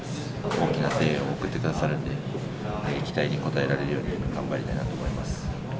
大きな声援を送ってくださるんで、期待に応えられるように頑張りたいなと思います。